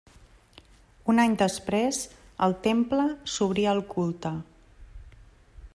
Un any després el temple s'obria al culte.